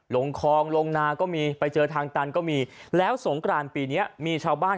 ลงคลองลงนาก็มีไปเจอทางตันก็มีแล้วสงกรานปีนี้มีชาวบ้าน